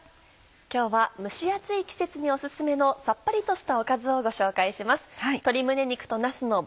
今日は蒸し暑い季節にお薦めのさっぱりとしたおかずをご紹介します。